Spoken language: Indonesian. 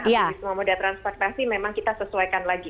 tapi di semua moda transportasi memang kita sesuaikan lagi